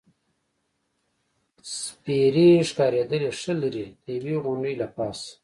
سپېرې ښکارېدلې، ښه لرې، د یوې غونډۍ له پاسه.